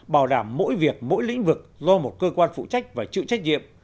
bảo đảm mỗi việc mỗi lĩnh vực do một cơ quan phụ trách và chịu trách nhiệm